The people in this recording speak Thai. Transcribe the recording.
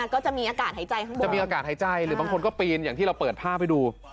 ก็จะมีอากาศหายใจหรือบางคนก็เปียนอย่างที่เราเปิดภาพให้ดู